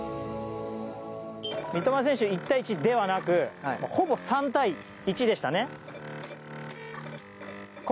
三笘選手、１対１ではなくほぼ３対１でしたね。